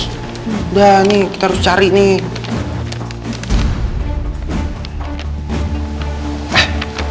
sudah nih kita harus cari nih